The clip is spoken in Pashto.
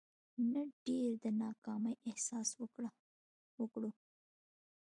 نه ډېر د ناکامي احساس وکړو.